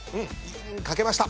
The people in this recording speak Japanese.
書けました。